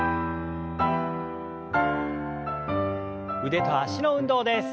腕と脚の運動です。